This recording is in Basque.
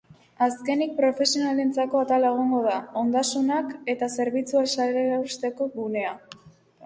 Azkenik, profesionalentzako atala egongo da, ondasunak eta zerbitzual salerosteko gunea.